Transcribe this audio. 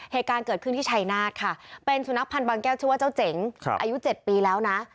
เหตุการณ์เกิดขึ้นที่ชัยนาธค่ะเป็นสุนัขพันธ์บางแก้วชื่อว่าเจ้าเจ๋งอายุ๗ปีแล้วนะ